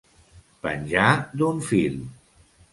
Penjar d'un fil.